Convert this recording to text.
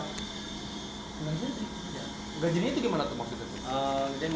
gak jadi itu gimana tuh maksudnya